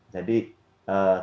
jadi kita mendesainnya